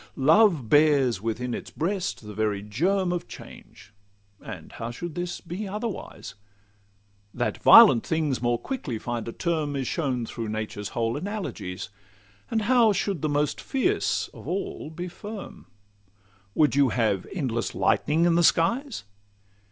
Love bears within its breast the very germ Of change; and how should this be otherwise? That violent things more quickly find a term Is shown through nature's whole analogies; And how should the most fierce of all be firm? Would you have endless lightning in the skies?